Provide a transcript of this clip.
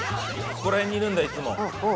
そこらへんにいるんだいつも。